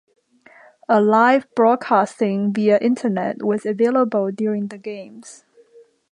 A live broadcasting via internet was available during the Games.